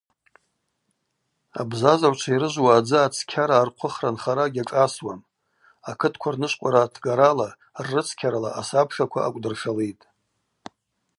Абзазагӏвчва йрыжвуа адзы ацкьара архъвыхра нхара гьашӏасуам, акытква рнышвкъвара тгарала, ррыцкьарала асабшаква акӏвдыршалитӏ.